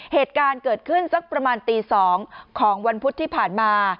เหตุการณ์เกิดขึ้นสักประมาณตี๒ของวันพุธที่ผ่านมา